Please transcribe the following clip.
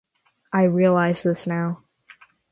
I realize this now.